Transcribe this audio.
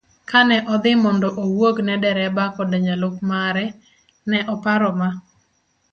Kane odhi mondo owuog ne dereba koda jalup mare, ne oparo Ma.